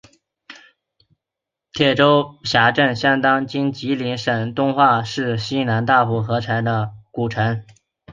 铁州辖境相当今吉林省敦化市西南大蒲柴河马圈子古城。